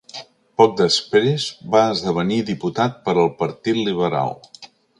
Poc després va esdevenir diputat per al partit liberal.